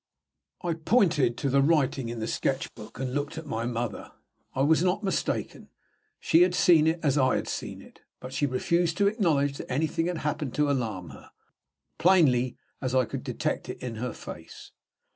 I POINTED to the writing in the sketch book, and looked at my mother. I was not mistaken. She had seen it, as I had seen it. But she refused to acknowledge that anything had happened to alarm her plainly as I could detect it in her face.